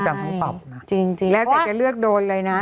จริงแล้วแกจะเลือกโดนเลยนะ